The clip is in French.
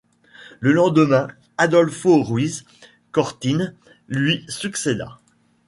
Le lendemain, Adolfo Ruiz Cortines lui succéda.